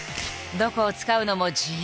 どこを使うのも自由。